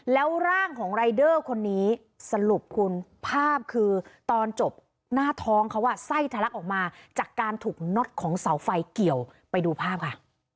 แล้วร่างของรายเดอร์คนนี้สรุปคุณภาพคือตอนจบหน้าท้องเขาไส้ทะลักออกมาจากการถูกน็อตของเสาไฟเกี่ยวไปดูภาพค่ะ